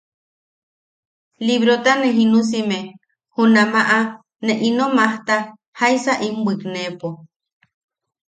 Librota ne jinusime, junamaʼa ne ino majta, jaisa in bwikneʼepo.